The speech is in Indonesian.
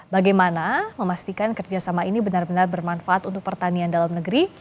bagaimana memastikan kerjasama ini benar benar bermanfaat untuk pertanian dalam negeri